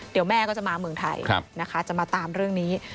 เดี๋ยวแม่ก็จะมาเมืองไทยนะคะจะมาตามเรื่องนี้